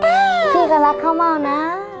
พี่ก็รักเขามากนะ